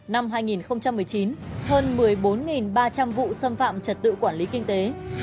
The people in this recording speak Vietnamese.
năm hai nghìn một mươi chín hơn một mươi bốn ba trăm linh vụ xâm phạm trật tự quản lý kinh tế